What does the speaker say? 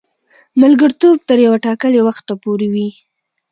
ملګرتوب تر یوه ټاکلي وخته پوري وي.